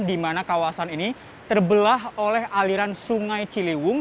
di mana kawasan ini terbelah oleh aliran sungai ciliwung